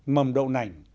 mầm đậu nành